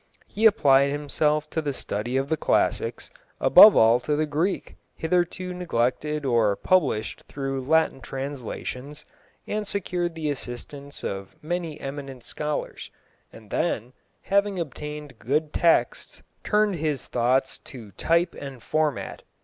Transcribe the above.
He applied himself to the study of the classics, above all to the Greek, hitherto neglected or published through Latin translations, and secured the assistance of many eminent scholars, and then, having obtained good texts, turned his thoughts to type and format.